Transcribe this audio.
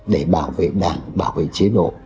để bảo vệ đảng bảo vệ chế độ